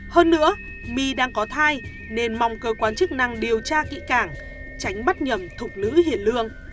hơn nữa my đang có thai nên mong cơ quan chức năng điều tra kỹ càng tránh bắt nhầm thục nữ hiền lương